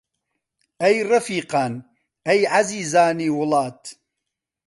ئەی ڕەفیقان، ئەی عەزیزانی وڵات!